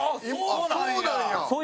そうなんや！